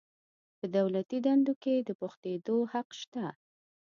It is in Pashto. په دولتي دندو کې د بوختیدو حق شته.